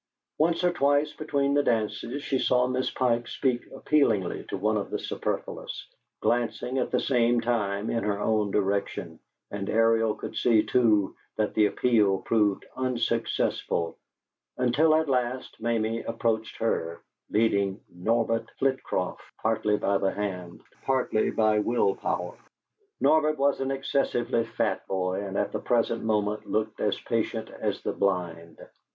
Once or twice between the dances she saw Miss Pike speak appealingly to one of the superfluous, glancing, at the same time, in her own direction, and Ariel could see, too, that the appeal proved unsuccessful, until at last Mamie approached her, leading Norbert Flitcroft, partly by the hand, partly by will power. Norbert was an excessively fat boy, and at the present moment looked as patient as the blind.